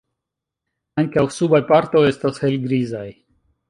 Ankaŭ subaj partoj estas helgrizaj.